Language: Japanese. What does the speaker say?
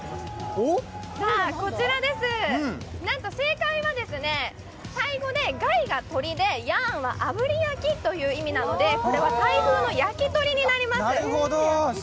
なんと、正解はタイ語でガイが鶏でヤーンはあぶり焼きという意味なので、これはタイ風の焼き鳥になります。